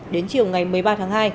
đến chiều ngày một mươi ba tháng hai